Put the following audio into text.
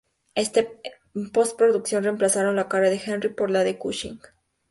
En post-producción reemplazaron la cara de Henry por la de Cushing.